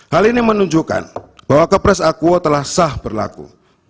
hal ini menunjukkan bahwa kepres akuo telah sah berlaku